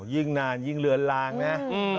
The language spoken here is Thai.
ยิ่งนานยิ่งเลือนลางนะ